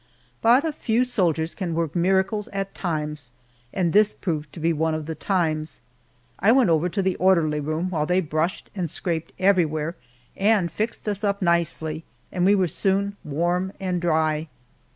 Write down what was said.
But a few soldiers can work miracles at times, and this proved to be one of the times. I went over to the orderly room while they brushed and scraped everywhere and fixed us up nicely, and we were soon warm and dry.